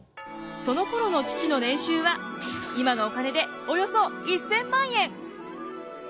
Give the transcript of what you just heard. そのころの父の年収は今のお金でおよそ１，０００万円！